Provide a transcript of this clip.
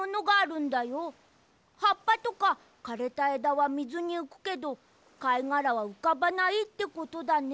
はっぱとかかれたえだはみずにうくけどかいがらはうかばないってことだね。